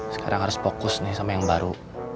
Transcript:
sekarang harus fokus nih sama yang baru